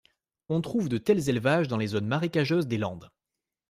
On trouve de tels élevages dans les zones marécageuses des Landes.